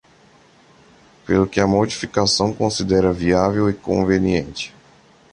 Pelo que a modificação considera viável e conveniente.